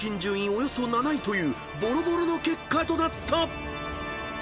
およそ７位というぼろぼろの結果となった］